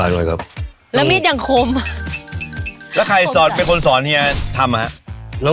แล้วใครเป็นคนสอนเฮียทำอะฮะ